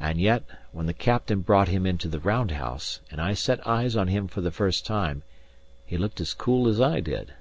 And yet, when the captain brought him into the round house, and I set eyes on him for the first time, he looked as cool as I did.